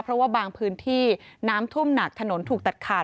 เพราะว่าบางพื้นที่น้ำท่วมหนักถนนถูกตัดขาด